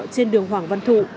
trên đường hoàng văn thụ